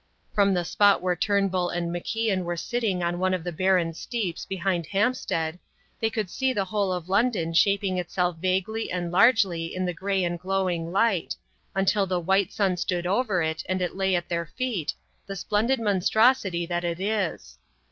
From the spot where Turnbull and MacIan were sitting on one of the barren steeps behind Hampstead, they could see the whole of London shaping itself vaguely and largely in the grey and growing light, until the white sun stood over it and it lay at their feet, the splendid monstrosity that it is.